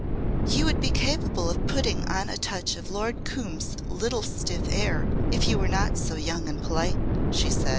"You would be capable of putting on a touch of Lord Coombe's little stiff air if you were not so young and polite," she said.